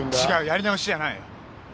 やり直しじゃない！